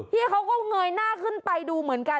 พี่เขาก็เงยหน้าขึ้นไปดูเหมือนกัน